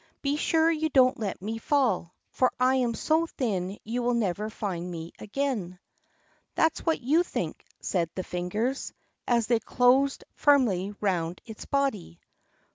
"Be sure you don't let me fall, for I am so thin you will never find me again." "That's what you think," said the fingers, as they closed firmly round its body.